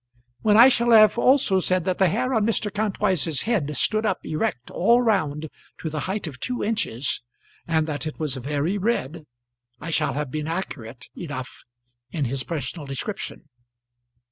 When I shall have also said that the hair on Mr. Kantwise's head stood up erect all round to the height of two inches, and that it was very red, I shall have been accurate enough in his personal description.